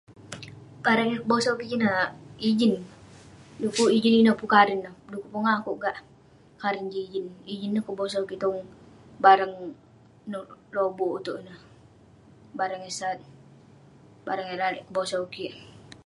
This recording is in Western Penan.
Barang yah kebosau kik sineh ijin, du'kuk ijin ineh pun karen neh ..du'kuk pongah akouk gak karen jin ijin..ijin neh kebosau kik tong barang nouk lobuk itouk ineh..barang eh sat.barang eh lalek kebosau kik..